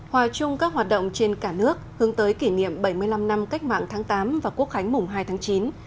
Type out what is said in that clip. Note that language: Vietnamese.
hòa chung các hoạt động trên cả nước hướng tới kỷ niệm bảy mươi năm năm cách mạng tháng tám và quốc khánh mùng hai tháng chín